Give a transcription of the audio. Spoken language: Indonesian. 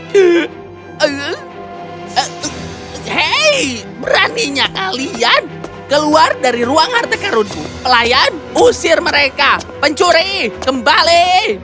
hehehe hei beraninya kalian keluar dari ruang harta kerut pelayan usir mereka pencuri kembali